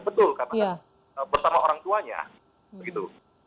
betul karena bersama orang tuanya begitu